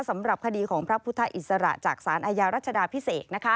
สำหรับคดีของพระพุทธอิสระจากสารอาญารัชดาพิเศษ